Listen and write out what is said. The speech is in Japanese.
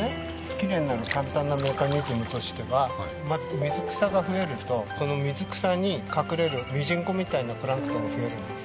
きれいになる簡単なメカニズムとしてはまず水草が増えると水草に隠れるミジンコみたいなプランクトンが増えるんです。